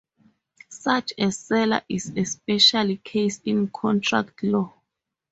Such a seller is a special case in contract law.